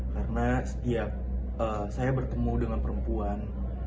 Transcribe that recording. karena setiap saya bertemu dengan perempuan